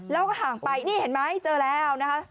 แล้วก็ห่างไปนี่เห็นไหมเจอแล้วนะคะ